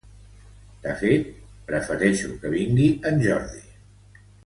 De fet, prefereixo que vingui en Jordi